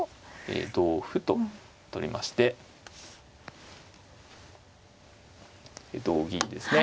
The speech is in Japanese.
同歩と取りまして同銀ですね。